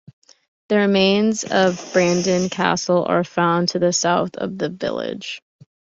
The remains of Brandon Castle are found to the south of the village.